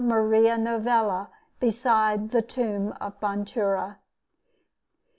Maria Novella, beside the tomb of Bontura.